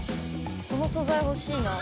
この素材欲しいなあ。